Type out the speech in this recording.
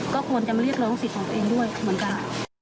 ก็ควรจะมาเรียกร้องสิทธิ์ของตัวเองด้วยเหมือนกัน